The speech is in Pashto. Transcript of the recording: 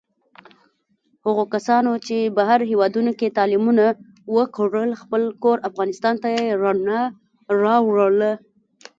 هغو کسانو چې بهر هېوادونوکې تعلیمونه وکړل، خپل کور افغانستان ته یې رڼا راوړله.